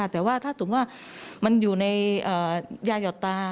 ถ้าสมมุติว่ามันอยู่ในยาลาวตา